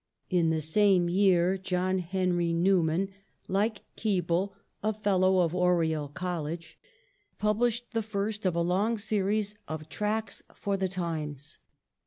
In the same year John Henry Newman, like Keble a Fellow of Oriel College, published the first of a long series of Tracts for the Times.